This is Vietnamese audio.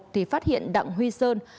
thì phát hiện đặng huy sơn